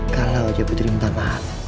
kalau dia putri minta maaf